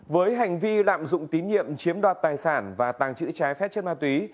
với hành vi lạm dụng tín nhiệm chiếm đoạt tài sản và tàng trữ trái phép chất ma túy